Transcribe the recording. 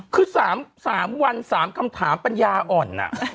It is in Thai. คือ๓วัน๓คำถามปัญญาอ่อน